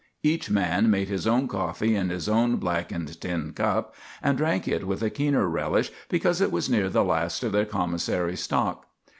Each man made his own coffee in his own blackened tin cup, and drank it with a keener relish because it was near the last of their commissary stock.